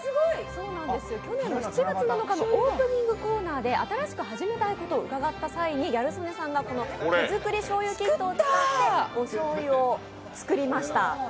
去年の７月７日のオープニングコーナーで新しく始めたいことを伺った際に、ギャル曽根さんがこの手作り醤油キットを使って、お醤油を作りました。